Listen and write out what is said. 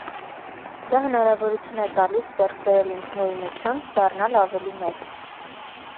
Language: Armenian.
Դա հնարավորություն է տալին ձեռք բերել ինքնուրույնություն, դառնալ ավելի մեծ։